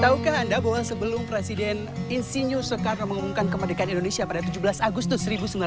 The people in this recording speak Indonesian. taukah anda bahwa sebelum presiden insinyur soekarno mengumumkan kemerdekaan indonesia pada tujuh belas agustus seribu sembilan ratus empat puluh lima